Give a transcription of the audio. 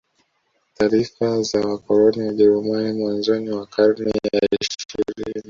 Taarifa za wakoloni Wajeruami mwanzoni wa karne ya ishirini